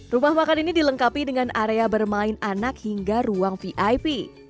rumah makan ini dilengkapi dengan area bermain anak hingga ruang vip